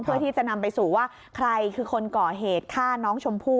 เพื่อที่จะนำไปสู่ว่าใครคือคนก่อเหตุฆ่าน้องชมพู่